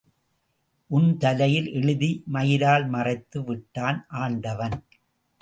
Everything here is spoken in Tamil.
உன் தலையில் எழுதி மயிரால் மறைத்து விட்டான் ஆண்டவன்.